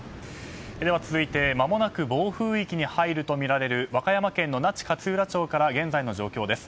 続いてまもなく暴風域に入るとみられる和歌山県の那智勝浦町から現在の状況です。